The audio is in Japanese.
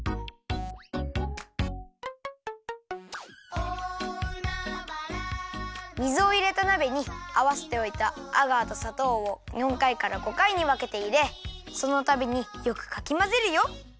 「大海原のそのさきの」水をいれたなべにあわせておいたアガーとさとうを４かいから５かいにわけていれそのたびによくかきまぜるよ。